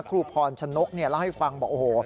ครูพรชนกเล่าให้ฟังบอกโอ้โห